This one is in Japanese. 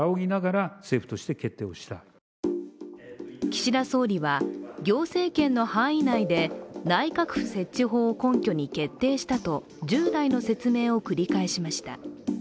岸田総理は、行政権の範囲内で内閣府設置法を根拠に決定したと従来の説明を繰り返しました。